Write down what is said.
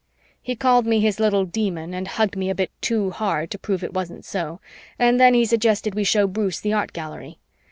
He called me his little Demon and hugged me a bit too hard to prove it wasn't so, and then he suggested we show Bruce the Art Gallery.